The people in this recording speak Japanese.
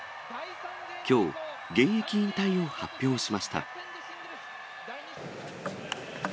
きょう、現役引退を発表しました。